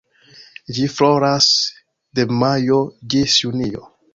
Ĝi floras de majo ĝis junio.